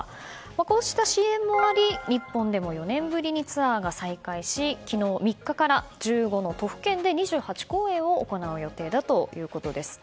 こうした支援もあり日本でも４年ぶりにツアーが再開し昨日３日から１５の都府県で２８公演を行う予定だということです。